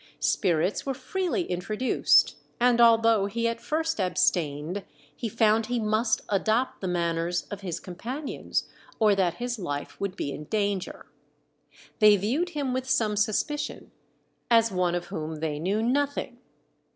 Spirits were freely introduced, and although he at first abstained, he found he must adopt the manners of his companions, or that his life would be in danger. They viewed him with some suspicion, as one of whom they knew nothing.